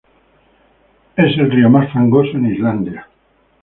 Es el río más fangoso en Islandia.